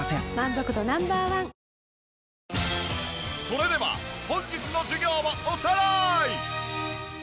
それでは本日の授業をおさらい！